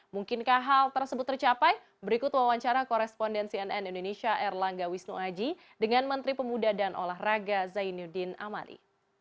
mungkinkah hal tersebut tercapai berikut wawancara koresponden cnn indonesia erlangga wisnuaji dengan menteri pemuda dan olahraga zainuddin amali